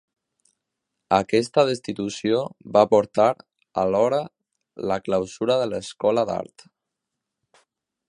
Aquesta destitució va portar, alhora, la clausura de l'Escola d'Art.